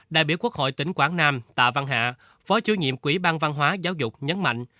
đại biểu quốc hội tỉnh quảng nam tạ văn hạ phó chủ nhiệm quỹ ban văn hóa giáo dục nhấn mạnh